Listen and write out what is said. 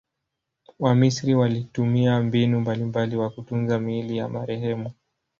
Wamisri walitumia mbinu mbalimbali kwa kutunza miili ya marehemu.